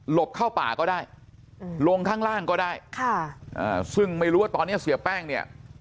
บเข้าป่าก็ได้ลงข้างล่างก็ได้ค่ะอ่าซึ่งไม่รู้ว่าตอนนี้เสียแป้งเนี่ย